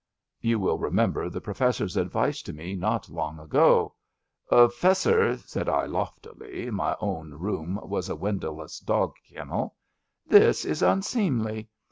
'' You will remember the Professor's advice to me not long ago. *^ Tessor/' said I loftily (my own room was a windowless dog kennel), '* this is un seemly.